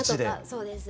そうです。